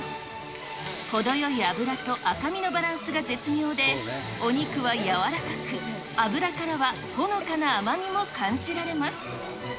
程よい脂と赤身のバランスが絶妙で、お肉は柔らかく、脂からはほのかな甘みも感じられます。